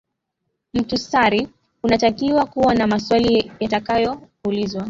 mhutasari unatakiwa kuwa na maswali yatakayoulizwa